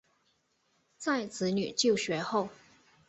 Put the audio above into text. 在子女就学后